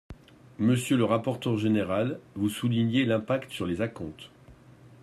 Monsieur le rapporteur général, vous soulignez l’impact sur les acomptes.